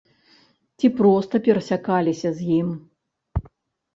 Ці проста перасякаліся з ім.